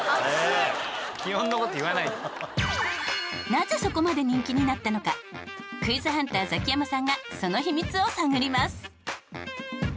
なぜそこまで人気になったのかクイズハンターザキヤマさんがその秘密を探ります。